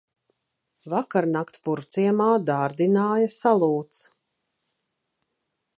Vakarnakt Purvciemā dārdināja salūts.